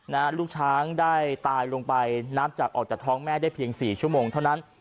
น้านลูกช้างได้ตายลงไปน้ำจักออกจากท้องแม่ได้เพียง๔เชือกเท่านั้น